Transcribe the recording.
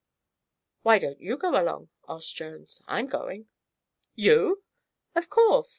"Why don't you go along?" asked Jones. "I'm going." "You!" "Of course.